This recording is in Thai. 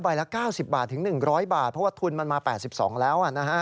ละ๙๐บาทถึง๑๐๐บาทเพราะว่าทุนมันมา๘๒แล้ว